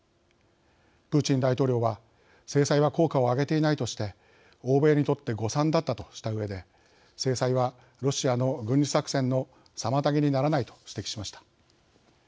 プーチン大統領は制裁は効果を上げていないとして欧米にとって誤算だったとしたうえで制裁は、ロシアの軍事作戦の妨げにならないと指摘しました。